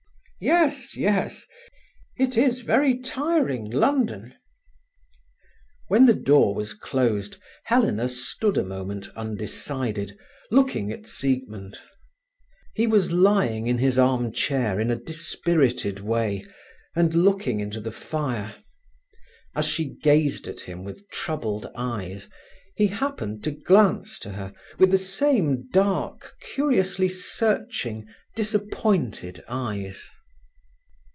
"Yes—yes. It is very tiring, London." When the door was closed, Helena stood a moment undecided, looking at Siegmund. He was lying in his arm chair in a dispirited way, and looking in the fire. As she gazed at him with troubled eyes, he happened to glance to her, with the same dark, curiously searching, disappointed eyes.